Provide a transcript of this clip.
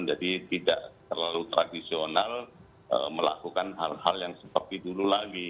jadi tidak terlalu tradisional melakukan hal hal yang seperti dulu lagi